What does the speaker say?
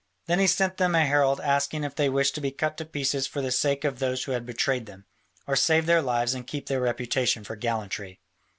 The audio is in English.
Then he sent them a herald asking if they wished to be cut to pieces for the sake of those who had betrayed them, or save their lives and keep their reputation for gallantry?